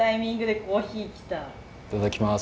いただきます。